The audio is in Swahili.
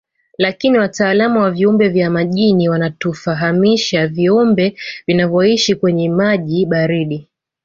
Lakini wataalamu wa viumbe vya majini wanatufahamisha viumbe vinavyoishi kwenye maji baridi